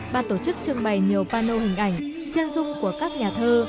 ban tổ chức trưng bày nhiều pano hình ảnh chân dung của các nhà thơ